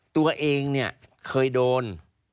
ตัวเองเคยโดน